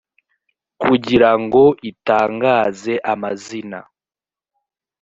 kugirango itangaze amazina